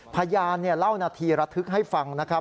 พยานเล่านาทีระทึกให้ฟังนะครับ